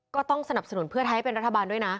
ก็ต้องสนับสนุนเพื่อไทยให้เป็นรัฐบาลด้วยนะ